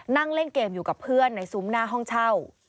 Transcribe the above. นั่งเล่นเกมอยู่กับเพื่อนในซุ้มหน้าห้องเช่า